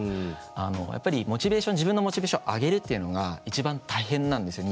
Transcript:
あのやっぱりモチベーション自分のモチベーション上げるっていうのが一番大変なんですよ